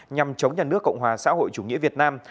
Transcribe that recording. nhằm chống nhà nước cộng hòa xã hội chủ nghĩa việt nam